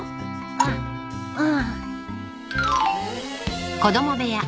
あっうん。